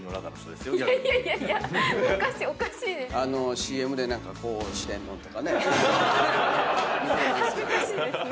ＣＭで何かこうしてんのとかね。恥ずかしいですね。